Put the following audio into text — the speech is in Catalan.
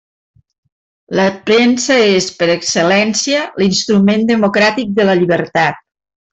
La premsa és, per excel·lència, l'instrument democràtic de la llibertat.